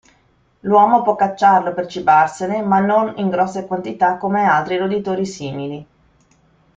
L'uomo può cacciarlo per cibarsene ma non in grosse quantità come altri roditori simili.